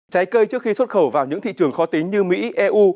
trái cây trước khi xuất khẩu vào những thị trường khó tính như mỹ eu